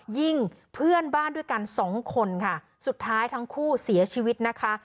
ยิงเพื่อนบ้านด้วยกันสองคนค่ะสุดท้ายทั้งคู่เสียชีวิตนะคะ